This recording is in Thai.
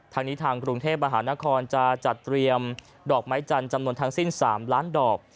ทางนี้ทางกรุงเทพมหานครจะจัดเตรียมดอกไม้จันทร์จำนวนทั้งสิ้น๓ล้านดอก